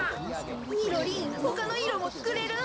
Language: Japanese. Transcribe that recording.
みろりんほかのいろもつくれる？